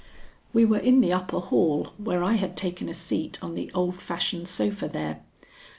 We were in the upper hall, where I had taken a seat on the old fashioned sofa there.